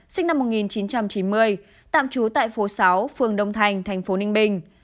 sinh năm một nghìn chín trăm chín mươi tạm trú tại phố sáu phường đông thành tp ninh bình